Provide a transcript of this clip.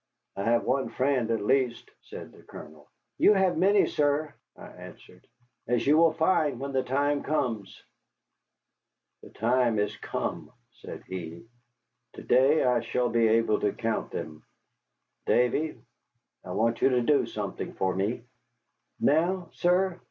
"I have one friend, at least," said the Colonel. "You have many, sir," I answered, "as you will find when the time comes." "The time has come," said he; "to day I shall be able to count them. Davy, I want you to do something for me." "Now, sir?"